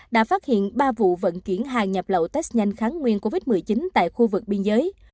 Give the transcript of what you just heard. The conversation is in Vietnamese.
đã phát hiện ba vụ vận kiển hàng nhập lậu test nhanh kháng nguyên covid một mươi chín